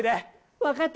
わかった！